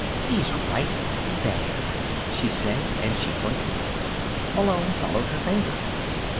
"He's right there," she said, and she pointed. Malone followed her finger.